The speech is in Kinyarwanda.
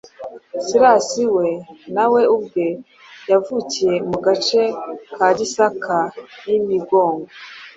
Silas we nawe ubwe yavukiye mu gace ka Gisaka y’i Migongo.